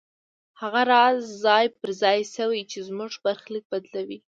هغه راز ځای پر ځای شوی چې زموږ برخليک بدلوي.